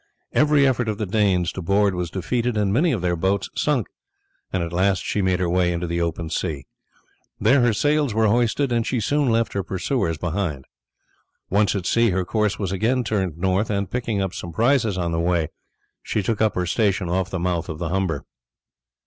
Every effort of the Danes to board was defeated, and many of their boats sunk, and at last she made her way into the open sea. There her sails were hoisted, and she soon left her pursuers behind. Once at sea her course was again turned north, and picking up some prizes on the way she took up her station off the mouth of the Humber.